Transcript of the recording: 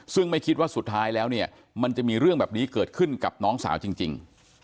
ซึ่งไม่คิดว่าสุดท้ายแล้วเนี่ยมันจะมีเรื่องแบบนี้เกิดขึ้นกับน้องสาวจริง